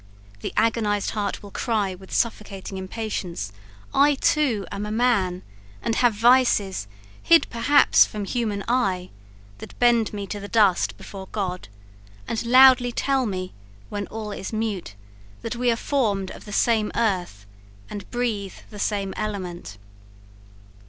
The agonized heart will cry with suffocating impatience I too am a man! and have vices, hid, perhaps, from human eye, that bend me to the dust before God, and loudly tell me when all is mute, that we are formed of the same earth, and breathe the same element.